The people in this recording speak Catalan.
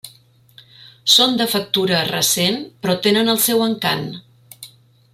Són de factura recent però tenen el seu encant.